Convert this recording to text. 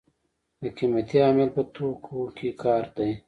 د قیمتۍ عامل په توکو کې کار دی.